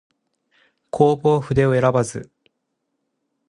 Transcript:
弘法筆を選ばず